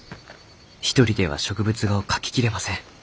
一人では植物画を描き切れません。